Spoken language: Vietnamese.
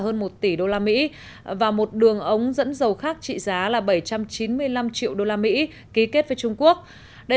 hơn một tỷ usd và một đường ống dẫn dầu khác trị giá là bảy trăm chín mươi năm triệu usd ký kết với trung quốc đây